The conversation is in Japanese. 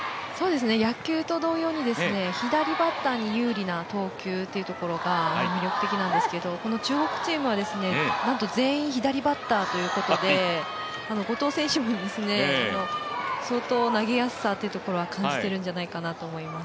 野球と同様に左バッターに有利な投球というところが魅力的なんですがこの中国チームは、なんと全員左バッターということで後藤選手も相当、投げやすさというのは感じているんじゃないかと思います。